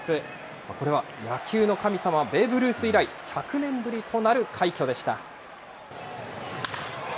これは野球の神様、ベーブ・ルース以来、１００年ぶりとなる快挙でした。